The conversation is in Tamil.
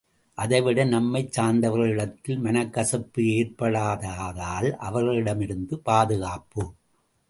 அதைவிட நம்மைச் சார்ந்தவர்களிடத்தில் மனக்கசப்பு ஏற்படாததால் அவர்களிடமிருந்தும் பாதுகாப்பு!